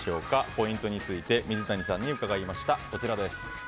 ポイントについて水谷さんに伺いました。